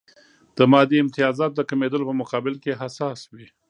د مادي امتیازاتو د کمېدلو په مقابل کې حساس وي.